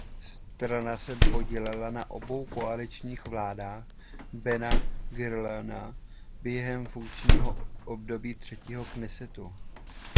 Strana se podílela na obou koaličních vládách Ben Guriona během funkčního období třetího Knesetu.